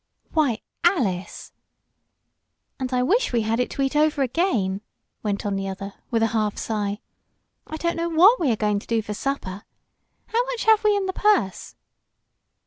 "Why, Alice!" "And I wish we had it to eat over again," went on the other, with a half sigh. "I don't know what we are going to do for supper. How much have we in the purse?"